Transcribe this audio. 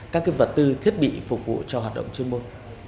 các vật tư thiết bị phục vụ cho hoạt động chuyên môn